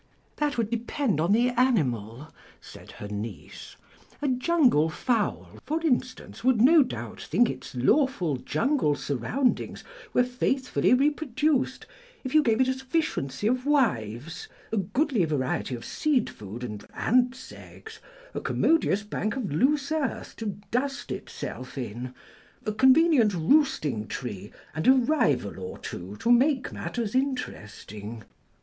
"That would depend on the animal," said her niece; "a jungle fowl, for instance, would no doubt think its lawful jungle surroundings were faithfully reproduced if you gave it a sufficiency of wives, a goodly variety of seed food and ants' eggs, a commodious bank of loose earth to dust itself in, a convenient roosting tree, and a rival or two to make matters interesting.